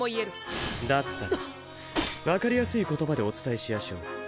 わかりやすい言葉でお伝えしやしょう。